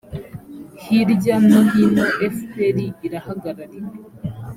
hirya no hino fpr irahagarariwe.